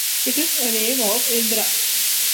It is a name of Indra.